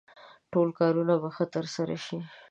ټول کارونه به ښه ترسره شي.